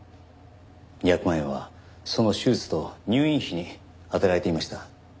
２００万円はその手術と入院費に充てられていました。